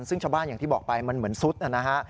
ซึ่งชาวบ้านอย่างที่บอกไปมันเหมือนซุดนะฮะ